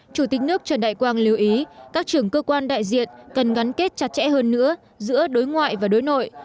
chủ tịch nước trần đại quang lưu ý các trưởng cơ quan đại diện cần gắn kết chặt chẽ hơn nữa giữa đối ngoại và đối nội